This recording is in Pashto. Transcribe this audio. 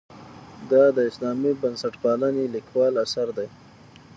دا د اسلامي بنسټپالنې لیکوال اثر دی.